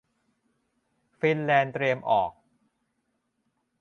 ฟินแลนด์เตรียมออก